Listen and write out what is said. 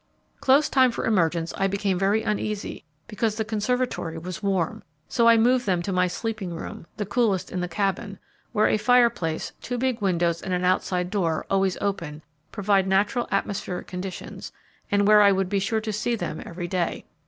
Close time for emergence I became very uneasy, because the conservatory was warm; so I moved them to my sleeping room, the coolest in the cabin, where a fireplace, two big windows and an outside door, always open, provide natural atmospheric conditions, and where I would be sure to see them every day.